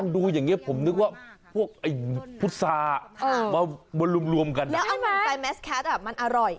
ดูอย่างงี้ผมนึกว่าพวกไอ้พุษามาบรมรวมกันใช่ไหมแล้วอังหุ่นไซมาสแค๊สอะมันอร่อย